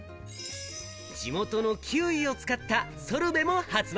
地元のキウイを使ったソルベも発売。